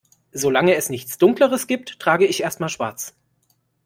Solange es nichts Dunkleres gibt, trage ich erst mal Schwarz.